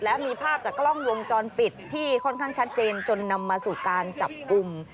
และมีภาพจากกล้องวงจรปิดที่ค่อนข้างชัดเจนจนนำมาสู่การจับกลุ่ม